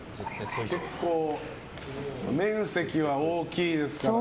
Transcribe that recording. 結構、面積は大きいですからね。